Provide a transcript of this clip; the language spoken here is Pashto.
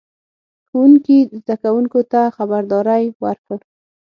ښوونکي زده کوونکو ته خبرداری ورکړ.